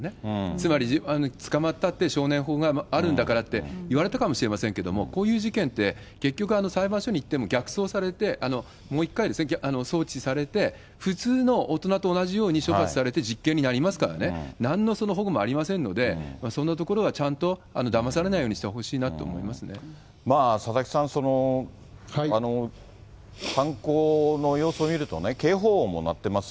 つまり捕まったって少年法があるんだからっていわれたかもしれませんけれども、こういう事件って、結局、裁判所に行っても逆送されて、もう一回送致されて、普通の大人と同じように処罰されて実刑になりますからね、なんの保護もありませんので、そのところはちゃんとだまされないように佐々木さん、犯行の様子を見ると、警報音も鳴ってます。